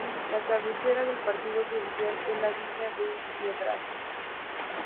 La cabecera del partido judicial es la villa de Piedrahíta.